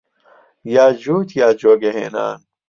یا جووت یا جۆگە هێنان